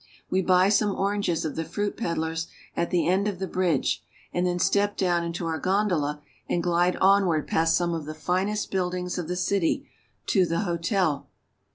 We buy some oranges of the fruit peddlers at the end of the bridge, and then step down into our gondola and glide onward past some of the finest buildings of the city to the hotel.